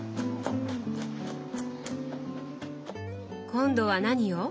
今度は何を？